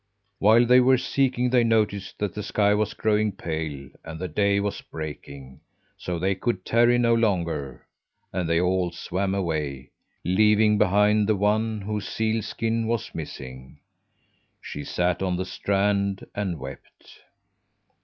While they were seeking they noticed that the sky was growing pale and the day was breaking, so they could tarry no longer, and they all swam away, leaving behind the one whose seal skin was missing. She sat on the strand and wept.